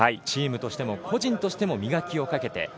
チームとしても、個人としても磨きをかけて。